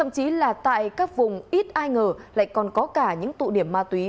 chí là tại các vùng ít ai ngờ lại còn có cả những tụ điểm ma túy